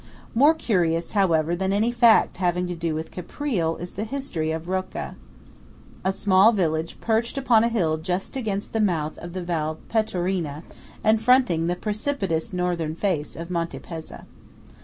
More curious, however, than any fact having to do with Caprile is the history of Rocca–a small village perched upon a hill just against the mouth of the Val Pettorina and fronting the precipitous northern face of Monte Pezza.